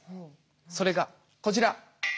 それがこちら。